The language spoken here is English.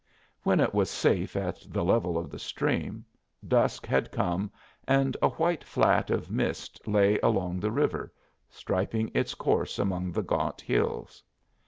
When it was safe at the level of the stream, dusk had come and a white flat of mist lay along the river, striping its course among the gaunt hills.